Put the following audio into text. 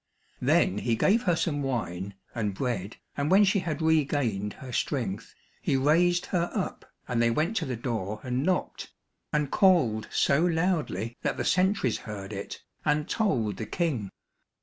Then he gave her some wine and bread, and when she had regained her strength, he raised her up and they went to the door and knocked, and called so loudly that the sentries heard it, and told the King.